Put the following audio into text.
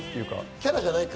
キャラじゃないか。